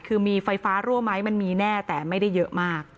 คือมีไฟฟ้ารั่วไหมมันมีแน่แต่ไม่ได้เยอะมาก